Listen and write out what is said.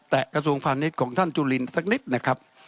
แต่กระทรวงพาณิชย์ของท่านจุลินสักนิดนะครับ